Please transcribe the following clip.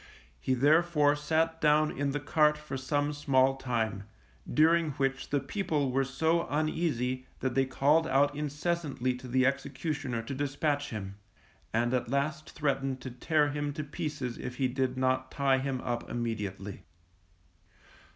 He therefore sat down in the cart for some small time, during which the people were so uneasy that they called out incessantly to the executioner to dispatch him, and at last threatened to tear him to pieces if he did not tie him up immediately.